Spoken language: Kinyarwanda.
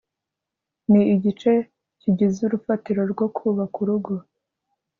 ni igice kigize urufatiro rwo kubaka urugo